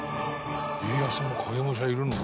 「家康も影武者いるの？」